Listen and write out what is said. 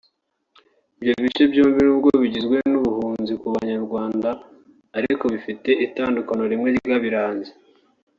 Ibyo bice byombi n’ubwo bigizwe n’ubuhunzi ku Banyarwanda ariko bifite itandukaniro rimwe ryabiranze